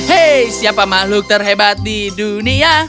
hei siapa makhluk terhebat di dunia